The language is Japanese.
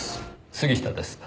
杉下です。